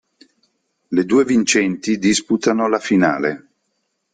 Le due vincenti disputano la finale.